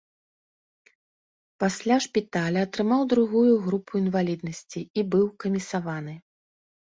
Пасля шпіталя атрымаў другую групу інваліднасці і быў камісаваны.